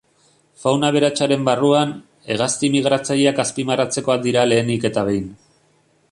Fauna aberatsaren barruan, hegazti migratzaileak azpimarratzekoak dira lehenik eta behin.